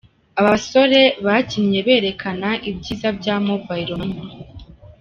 Aba basore bakinnye berekana ibyiza bya Mobile Money.